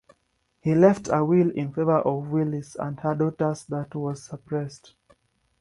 He left a will in favour of Willis and her daughters that was suppressed.